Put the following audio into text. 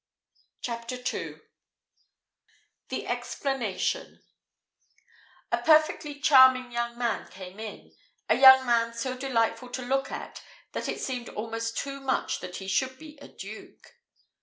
CHAPTER II THE EXPLANATION A perfectly charming young man came in a young man so delightful to look at that it seemed almost too much that he should be a duke.